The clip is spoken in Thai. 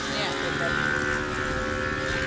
นี่เห็นไหม